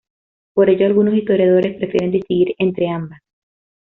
Por ello algunos historiadores prefieren distinguir entre ambas.